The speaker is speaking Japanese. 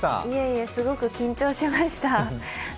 いえいえ、すごく緊張しました。